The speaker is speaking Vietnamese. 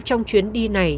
trong chuyến đi này